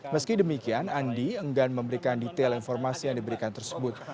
meski demikian andi enggan memberikan detail informasi yang diberikan tersebut